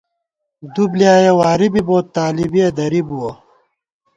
دُوبۡلیایَہ واری بی بوت ، طالِبِیَہ درِبُوَہ